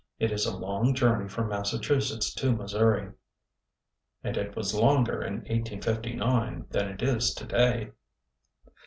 It is a long journey from Massachusetts to Missouri." And it was longer in 1859 than it is to day.